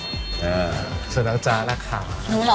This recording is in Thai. โดนเซอร์น้องจ๊ะหนักขาว